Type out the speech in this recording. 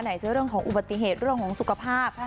จะเรื่องของอุบัติเหตุเรื่องของสุขภาพ